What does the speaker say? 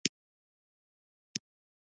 ډېر زیات ملېشه قوتونه ورسره ملګري وو.